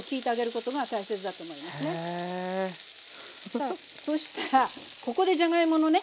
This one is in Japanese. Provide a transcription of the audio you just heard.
さあそしたらここでじゃがいものね